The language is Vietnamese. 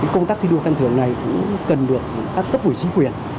công tác thi đua khen thưởng này cũng cần được các cấp hủy sĩ quyền